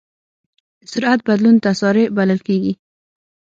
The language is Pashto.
د سرعت بدلون تسارع بلل کېږي.